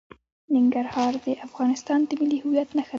ننګرهار د افغانستان د ملي هویت نښه ده.